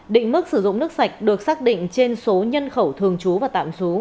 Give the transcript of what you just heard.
định mức sử dụng nước sạch được xác định trên số nhân khẩu thường trú và tạm trú